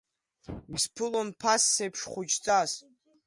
Исԥылон, ԥасеиԥш, хәыҷҵас.